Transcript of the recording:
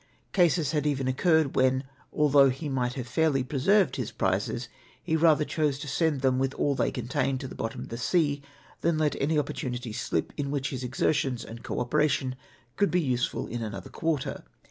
Cases had even occurred, when, although he might have fairly preserved his prizes, he rather chose to send them, with all they con tained, to the bottom of the sea than let any opportunity slip in which his exertions and co operation could be useful in another quarter.